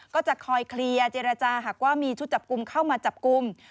ก็จะคอยเคลียร์เจรจาหากว่ามีชุดจับกลุ่มเข้ามาจับกลุ่ม